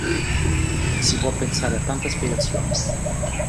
Si può pensare a tante spiegazioni!